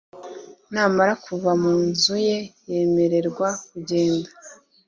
Namara kuva mu nzu ye yemererwa kugenda